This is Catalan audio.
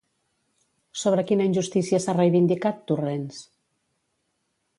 Sobre quina injustícia s'ha reivindicat, Torrents?